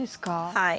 はい。